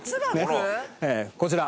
こちら。